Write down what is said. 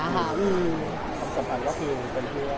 อืมความสำคัญก็คือเป็นเพื่อน